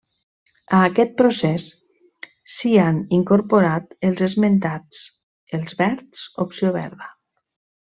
A aquest procés s'hi han incorporat els esmentats Els Verds-Opció Verda.